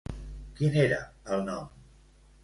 Quin era el nom?